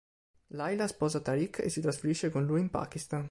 Laila sposa Tariq e si trasferisce con lui in Pakistan.